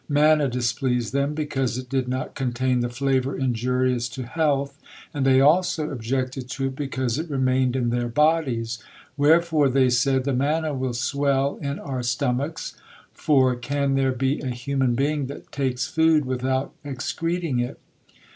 Manna displeased them because it did not contain the flavor injurious to health, and they also objected to it because it remained in their bodies, wherefore they said: "The manna will swell in our stomachs, for can there be a human being that takes food without excreting it!"